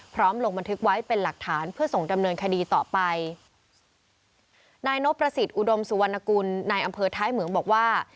ลงบันทึกไว้เป็นหลักฐานเพื่อส่งดำเนินคดีต่อไปนายนพประสิทธิ์อุดมสุวรรณกุลนายอำเภอท้ายเหมืองบอกว่า